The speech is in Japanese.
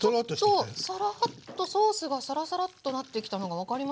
ちょっとソースがサラサラッとなってきたのが分かりますね。